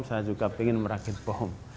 saya juga ingin merakit bom